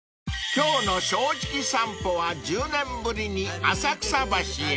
［今日の『正直さんぽ』は１０年ぶりに浅草橋へ］